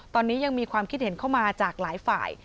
ตอนนี้ยังมีความคิดเห็นเข้ามาจากหลายฝ่าย